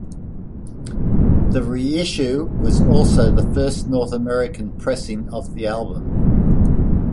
The reissue was also the first North American pressing of the album.